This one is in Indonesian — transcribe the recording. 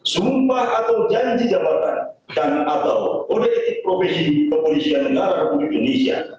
sumpah atau janji jabatan dan atau kode etik profesi kepolisian negara republik indonesia